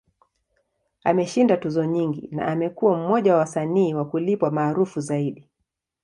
Ameshinda tuzo nyingi, na amekuwa mmoja wa wasanii wa kulipwa maarufu zaidi.